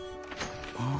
ああ。